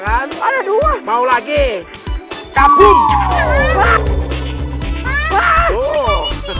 ada dua kan ada dua mau lagi